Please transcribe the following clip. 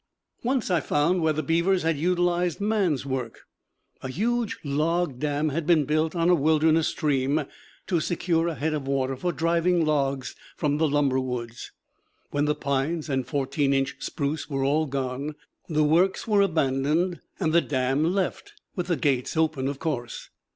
Once I found where the beavers had utilized man's work. A huge log dam had been built on a wilderness stream to secure a head of water for driving logs from the lumber woods. When the pines and fourteen inch spruce were all gone, the works were abandoned, and the dam left with the gates open, of course.